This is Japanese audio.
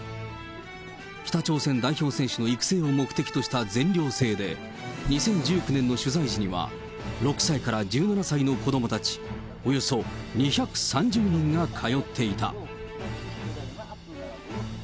北朝鮮代表選手の育成を目的とした全寮制で、２０１９年の取材時には、６歳から１７歳の子どもたちおよそ２３０人が通っていた。